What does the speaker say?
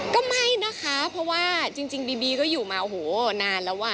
ก็ไม่นะคะเพราะว่าจริงบีบีก็อยู่มาโอ้โหนานแล้วอ่ะ